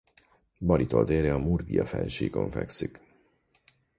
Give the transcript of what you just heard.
Baritól délre a Murgia-fennsíkon fekszik.